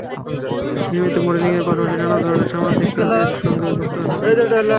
নিয়মিত মডেলিংয়ের পাশাপাশি নানা ধরনের সামাজিক কাজের সঙ্গেও যুক্ত আছেন তিনি।